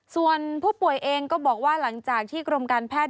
ส่วนผู้ป่วยเองก็บอกว่าหลังจากที่กรมการแพทย์